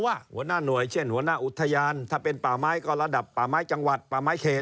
หัวหน้าหน่วยเช่นหัวหน้าอุทยานถ้าเป็นป่าไม้ก็ระดับป่าไม้จังหวัดป่าไม้เขต